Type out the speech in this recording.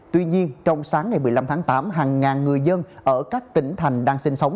tuy nhiên trong sáng ngày một mươi năm tháng tám hàng ngàn người dân ở các tỉnh thành đang sinh sống